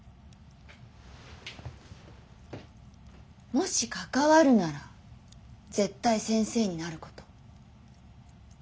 もし関わるなら絶対先生になること。